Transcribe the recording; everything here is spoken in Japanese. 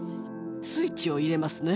スイッチを入れますね。